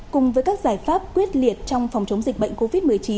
cùng với các giải pháp quyết liệt trong phòng chống dịch bệnh covid một mươi chín